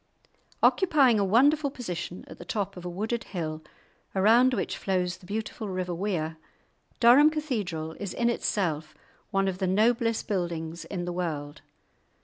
Occupying a wonderful position at the top of a wooded hill, around which flows the beautiful river Wear, Durham Cathedral is in itself one of the noblest buildings in the world.